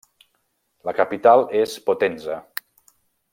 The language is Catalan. La capital és Potenza.